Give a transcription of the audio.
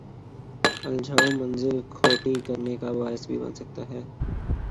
الجھاؤ منزل کھوٹی کرنے کا باعث بھی بن سکتا ہے۔